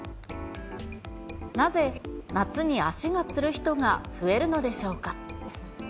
なぜ夏に足がつる人が増えるのでしょうか。